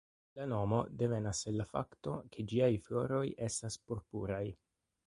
La nomo devenas el la fakto ke ĝiaj floroj estas purpuraj.